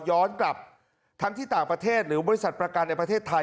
ย้อนกลับทั้งที่ต่างประเทศหรือบริษัทประกันในประเทศไทย